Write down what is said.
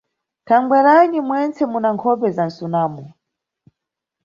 Thangweranyi mwentse muna nkhope za msunamo?